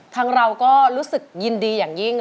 ทางเราก็รู้สึกยินดีอย่างยิ่ง